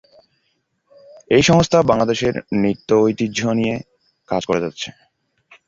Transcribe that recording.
এই সংস্থা বাংলাদেশের নৃত্য ঐতিহ্য নিয়ে কাজ করে যাচ্ছে।